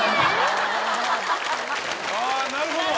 あなるほど。